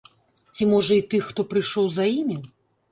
Ці, можа, і тых, хто прыйшоў за імі?